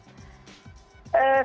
tidak ibu janet